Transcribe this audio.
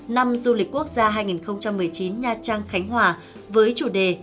năm du lịch quốc gia hai nghìn một mươi chín nha trang khánh hòa với chủ đề